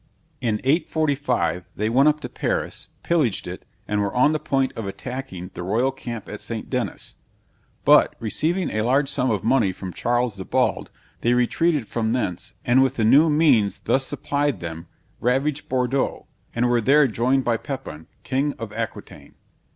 In 845, they went up to Paris, pillaged it, and were on the point of attacking the royal camp at St. Dennis; but receiving a large sum of money from Charles the Bald, they retreated from thence, and with the new means thus supplied them, ravaged Bordeaux, and were there joined by Pepin, king of Aquitaine.